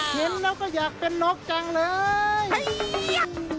เห็นแล้วก็อยากเป็นนกจังเลย